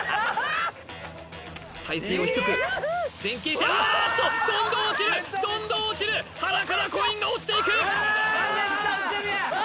体勢を低く前傾してうわあっとどんどん落ちるどんどん落ちる腹からコインが落ちていくうわあ